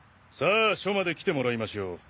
さぁ署まで来てもらいましょう。